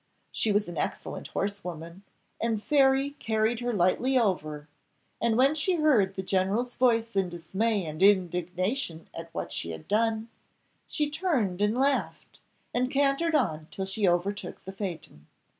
She was an excellent horse woman, and Fairy carried her lightly over; and when she heard the general's voice in dismay and indignation at what she had done, she turned and laughed, and cantered on till she overtook the phaeton.